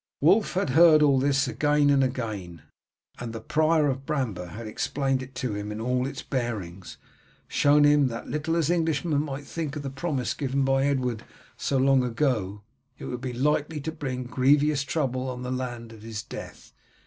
Wulf had heard all this again and again, and the prior of Bramber had explained it to him in all its bearings, showing him that little as Englishmen might think of the promise given by Edward so long ago, it would be likely to bring grievous trouble on the land at his death.